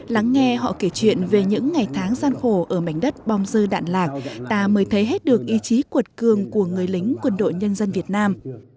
lắng nghe họ kể chuyện về những ngày tháng gian khổ ở mảnh đất bong dư đạn lạc ta mới thấy hết được ý chí cuột cường của người lính quân đội nhân dân việt nam